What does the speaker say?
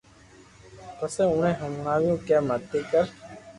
پسي اوني ھڻاويو ڪي متي ڪر